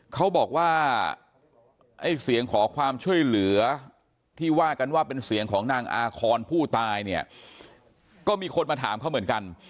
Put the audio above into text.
เขาบอกว่าไอ้เสียงขอความช่วยเหลือที่ว่ากันว่าเป็นเสียงของนางอาคอนผู้ตายเนี่ยก็มีคนมาถามเขาเหมือนกัน